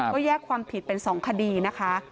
ก็แยกความผิดเป็น๒คดีนะคะ